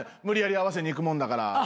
無理やり合わせにいくもんだから。